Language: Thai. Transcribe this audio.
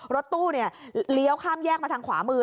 รถตู้เลี้ยวข้ามแยกมาทางขวามือ